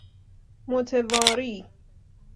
متواری